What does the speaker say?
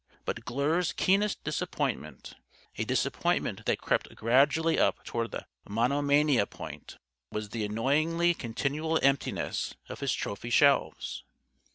But Glure's keenest disappointment a disappointment that crept gradually up toward the monomania point was the annoyingly continual emptiness of his trophy shelves.